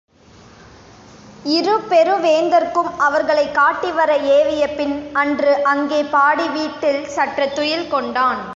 இருபெரு வேந்தர்க்கும் அவர்களைக் காட்டிவர ஏவிய பின் அன்று அங்கே பாடி வீட்டில் சற்றுத் துயில் கொண்டான்.